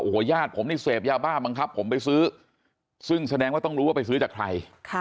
โอ้โหญาติผมนี่เสพยาบ้าบังคับผมไปซื้อซึ่งแสดงว่าต้องรู้ว่าไปซื้อจากใคร